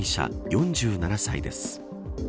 ４７歳です。